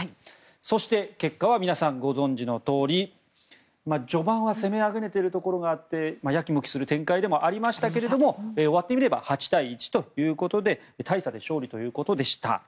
そして、結果は皆さんご存じのとおり序盤は攻めあぐねているところがあってやきもきする展開でもありましたが終わってみれば８対１ということで大差で勝利ということでした。